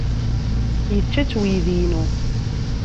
Yečča-tt uydi-inu.